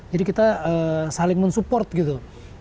jadi kita saling mensupport gitu